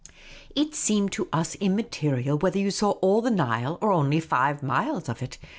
It seemed to us im material whether you saw all the Nile or only five miles of it.